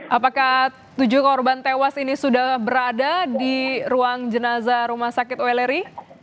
apakah tujuh korban tewas ini sudah berada di ruang jenazah rumah sakit weleri